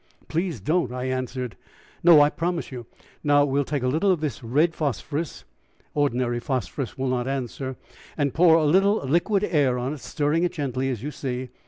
"Please don't," I answered. "No, I promise you. Now we will take a little of this red phosphorus ordinary phosphorus will not answer and pour a little liquid air on it, stirring it gently, as you see.